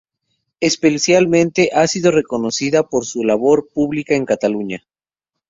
Especialmente ha sido reconocida su labor pública en Cataluña.